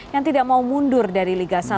yang tidak mau mundur dari liga satu